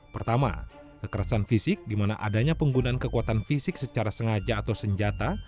pertama kekerasan fisik di mana adanya penggunaan kekuatan fisik secara sengaja atau senjata